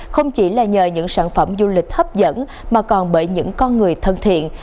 không chỉ là nhờ những sản phẩm du lịch hấp dẫn mà còn bởi những con người thân thiện